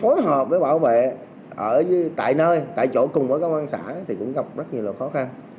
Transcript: phối hợp với bảo vệ tại nơi tại chỗ cùng với các quan sản thì cũng gặp rất nhiều khó khăn